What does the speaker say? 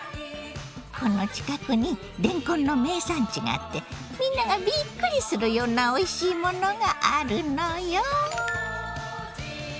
この近くにれんこんの名産地があってみんながびっくりするようなおいしいものがあるのよ！